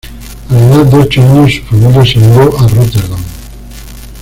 A la edad de ocho años, su familia se mudó a Rotterdam.